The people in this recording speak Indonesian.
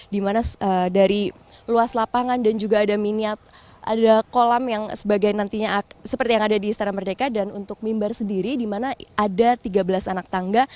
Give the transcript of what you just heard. dimana dari luas lapangan dan juga ada miniat ada kolam yang sebagai nantinya seperti yang ada di istana merdeka dan untuk mimbar sendiri di mana ada tiga belas anak tangga